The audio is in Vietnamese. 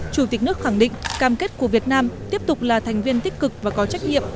chủ tịch nước khẳng định cam kết của việt nam tiếp tục là thành viên tích cực và có trách nhiệm